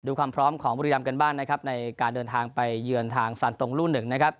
ความพร้อมของบุรีรำกันบ้างนะครับในการเดินทางไปเยือนทางซานตรงลู่หนึ่งนะครับ